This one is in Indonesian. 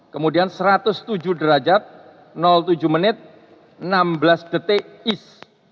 kemudian satu ratus tujuh derajat tujuh menit enam belas detik east